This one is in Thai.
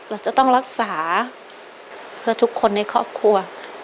เราจะต้องรักษาเพื่อทุกคนในครอบครัว